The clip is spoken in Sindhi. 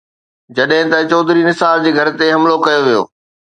جڏهن ته چوڌري نثار جي گهر تي حملو ڪيو ويو.